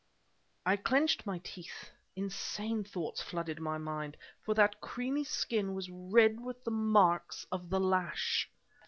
I clenched my teeth. Insane thoughts flooded my mind. For that creamy skin was red with the marks of the lash!